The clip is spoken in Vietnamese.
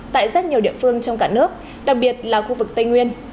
tại rất nhiều địa phương trong cả nước đặc biệt là khu vực tây nguyên